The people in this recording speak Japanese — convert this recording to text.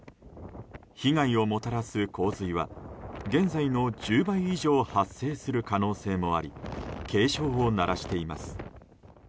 被害をもたらす洪水は現在の１０倍以上発生する可能性もあり警鐘を鳴らしています。